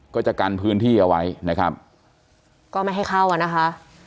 ก็จะกันพื้นที่เอาไว้นะครับก็ไม่ให้เข้าอ่ะนะคะ